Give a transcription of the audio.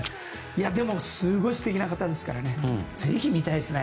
でも、すごい素敵な方ですからぜひ見たいですね。